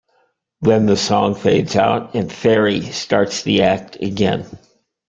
Then the song fades out and Ferry starts the act again.